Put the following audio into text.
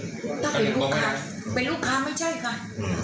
ถ้าเป็นลูกค้าเป็นลูกค้าไม่ใช่ค่ะ